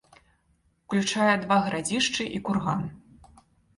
Уключае два гарадзішчы і курган.